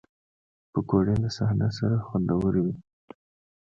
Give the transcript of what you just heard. پکورې له صحنه سره خوندورې وي